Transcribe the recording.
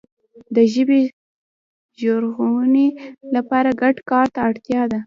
د ژبي د ژغورنې لپاره ګډ کار ته اړتیا ده.